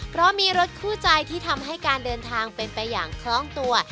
เพราะมีรถคู่ใจที่ทำให้การเดินทางเป็นไปอย่างคล้องตัว